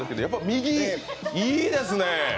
右、いいですね。